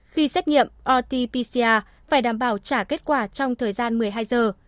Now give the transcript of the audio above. khi xét nghiệm rt pcr phải đảm bảo trả kết quả trong thời gian một mươi hai giờ